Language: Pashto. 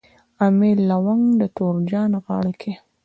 امیل لونګ د تور جانان غاړه کي